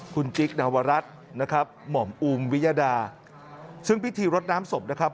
คุณจิ๊กนวรัฐนะครับหม่อมอุมวิยดาซึ่งพิธีรดน้ำศพนะครับ